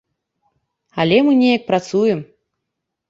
Але мы неяк працуем.